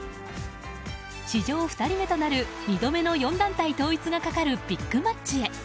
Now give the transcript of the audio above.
史上２人目となる２度目の４団体統一がかかるビッグマッチへ。